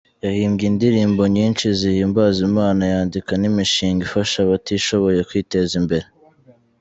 Yahimbye indirimbo nyinshi zihimbaza Imana, yandika n’imishinga ifasha abatishoboye kwiteza imbere.